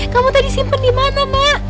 kamu tadi simpen dimana pak